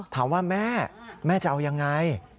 ถามว่าแม่แม่จะเอายังไง